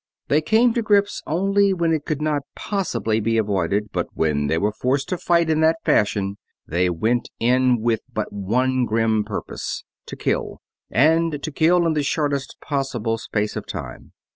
They came to grips only when it could not possibly be avoided, but when they were forced to fight in that fashion they went in with but one grim purpose to kill, and to kill in the shortest possible space of time.